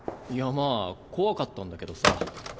いやまあ怖かったんだけどさ。